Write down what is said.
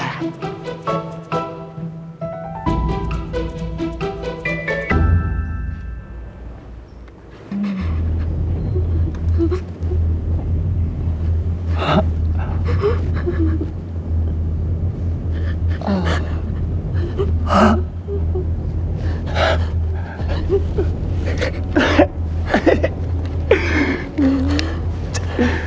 อ้าว